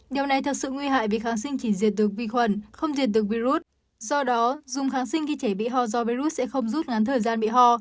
do đó dùng kháng sinh khi trẻ bị hò do virus sẽ không giúp ngắn thời gian bị hò